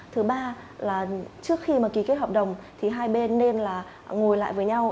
thứ ba là trước khi mà ký kết hợp đồng thì hai bên nên là ngồi lại với nhau